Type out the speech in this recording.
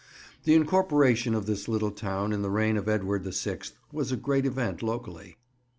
The incorporation of this little town in the reign of Edward the Sixth was a great event locally.